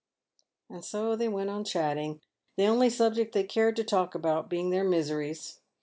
And so they went on chatting, the only subject they cared to talk about being their miseries.